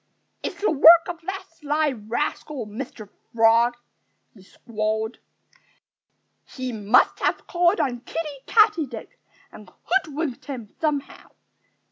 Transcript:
"It's the work of that sly rascal, Mr. Frog!" he squalled. "He must have called on Kiddie Katydid and hoodwinked him somehow....